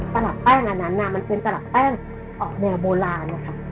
ตลับแป้งอันนั้นมันเป็นตลับแป้งออกแนวโบราณนะคะ